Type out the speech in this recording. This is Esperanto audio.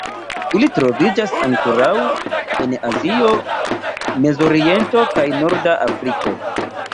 Ili troviĝas ankoraŭ en Azio, Mezoriento kaj Norda Afriko.